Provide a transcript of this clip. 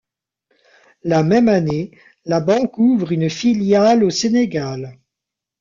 La même année, la banque ouvre une filiale au Sénégal.